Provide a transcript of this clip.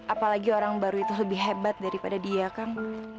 apalagi orang baru itu lebih hebat daripada dia kang